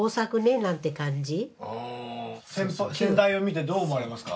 先代を見てどう思われますか？